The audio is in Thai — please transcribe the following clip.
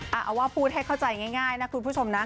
เอาว่าพูดให้เข้าใจง่ายนะคุณผู้ชมนะ